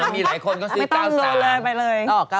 มีหลายคนก็ซื้อ๙๓